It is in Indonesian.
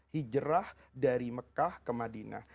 hijrah dari mekah ke madinah